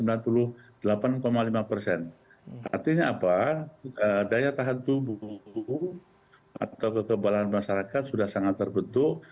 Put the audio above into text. artinya apa daya tahan tubuh atau kekebalan masyarakat sudah sangat terbentuk